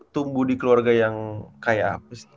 tumbuh di keluarga yang kayak apa sih